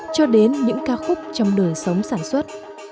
cho đến những ca khúc trong đời sống sản xuất